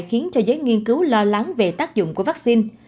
khiến cho giới nghiên cứu lo lắng về tác dụng của vaccine